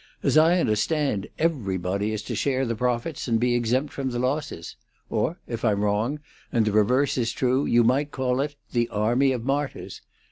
As I understand, everybody is to share the profits and be exempt from the losses. Or, if I'm wrong, and the reverse is true, you might call it 'The Army of Martyrs'.